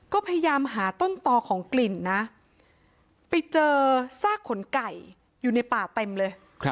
ก็พยายามหาต้นต่อของกลิ่นนะไปเจอซากขนไก่อยู่ในป่าเต็มเลย